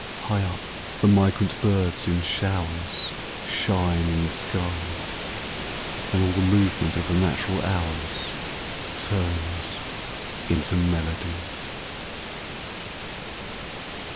High up the migrant birds in showers Shine in the sky, And all the movement of the natural hours Turns into melody.